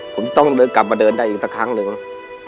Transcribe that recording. ผมจะต้องกลับมาเดินได้อีกสักครั้งเลยครับ